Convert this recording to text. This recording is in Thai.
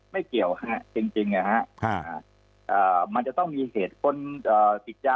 ไม่เกี่ยวฮะจริงนะฮะมันจะต้องมีเหตุคนติดยา